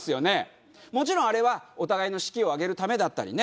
もちろんあれはお互いの士気を上げるためだったりね